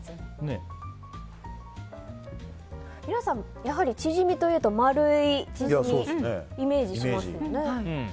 皆さん、やはりチヂミというと丸いチヂミをイメージしますよね。